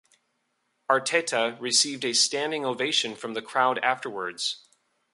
Arteta received a standing ovation from the crowd afterwards.